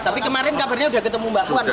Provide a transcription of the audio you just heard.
tapi kemarin kabarnya sudah ketemu mbak puan